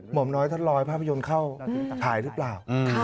หมอมน้อยท่านลอยภาพยนตร์เข้าถ่ายหรือเปล่า